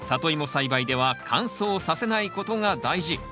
栽培では乾燥させないことが大事。